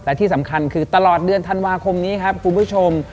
และที่สำคัญคือตลอดเดือนธันวาคมนี้ครับคุณผู้ชม